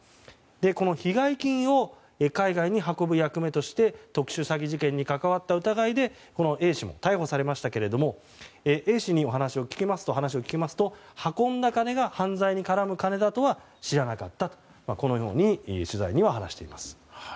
この被害金を海外に運ぶ役目として特殊詐欺事件に関わった疑いでＡ氏も逮捕されましたがＡ氏に話を聞きますと運んだ金が犯罪に絡む金だとは知らなかったと取材には話しています。